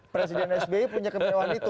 presiden sbi punya kemewahan itu